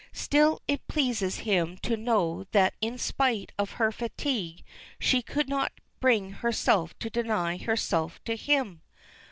Still it pleases him to know that in spite of her fatigue she could not bring herself to deny herself to him.